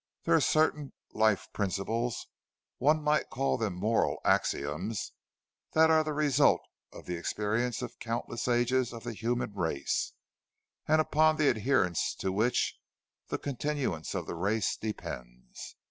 There are certain life principles—one might call them moral axioms—which are the result of the experience of countless ages of the human race, and upon the adherence to which the continuance of the race depends.